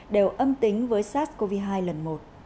đều âm tính với sars cov hai lần một